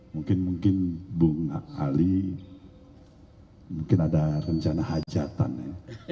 mungkin mungkin bung ali mungkin ada rencana hajatan ya